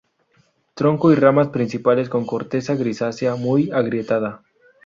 Tronco y ramas principales con corteza grisácea muy agrietada.